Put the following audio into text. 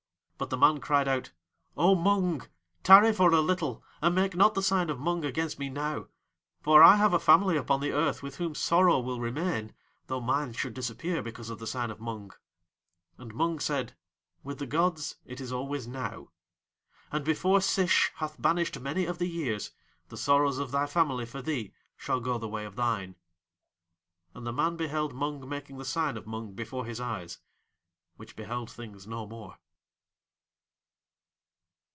But the man cried out: "O Mung! tarry for a little, and make not the sign of Mung against me now, for I have a family upon the earth with whom sorrow will remain, though mine should disappear because of the sign of Mung." And Mung said: "With the gods it is always Now. And before Sish hath banished many of the years the sorrows of thy family for thee shall go the way of thine." And the man beheld Mung making the sign of Mung before his eyes, which beheld things no more.